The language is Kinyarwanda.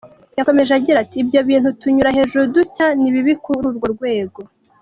Yakomeje agira ati “Ibyo bintu tunyura hejuru dutya, ni bibi kuri urwo rwego.